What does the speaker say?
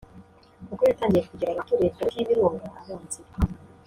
kuko yatangiye kugira abaturiye Pariki y’Ibirunga abanzi be